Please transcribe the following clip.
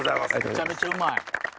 めちゃめちゃうまい。